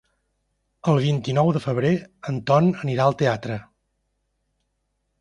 El vint-i-nou de febrer en Ton anirà al teatre.